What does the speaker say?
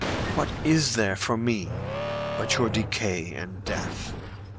What is there for me but your decay and death?